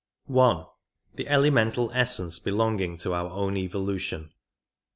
I . The Elemental Essence belonging to our own evolution.